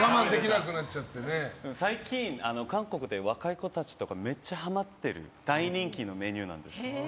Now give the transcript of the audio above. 最近、韓国で若い子たちとかめっちゃハマってる大人気のメニューなんです。